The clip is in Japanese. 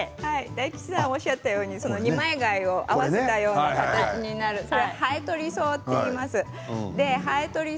大吉さんおっしゃったように二枚貝を合わせたような形のハエトリソウといいます。。